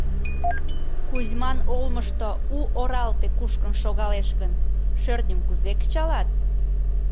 Кузьман олмышто у оралте кушкын шогалеш гын, шӧртньым кузе кычалат?